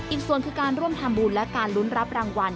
อีกส่วนคือการร่วมทำบุญและการลุ้นรับรางวัล